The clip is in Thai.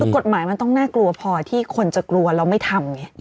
กฎหมายมันต้องน่ากลัวพอที่คนจะกลัวแล้วไม่ทำ